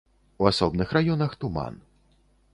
У асобных раёнах туман.